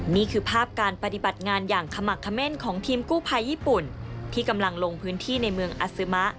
นี่คือภาพการปฏิบัติงานอย่างขมักเขม่นของทีมกู้ภัยญี่ปุ่นที่กำลังลงพื้นที่ในเมืองอัศมะ